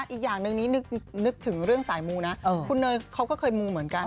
อีกอย่างหนึ่งนี้นึกถึงเรื่องสายมูนะคุณเนยเขาก็เคยมูเหมือนกัน